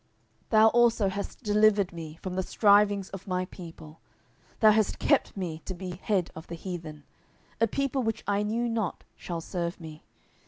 10:022:044 Thou also hast delivered me from the strivings of my people, thou hast kept me to be head of the heathen: a people which I knew not shall serve me.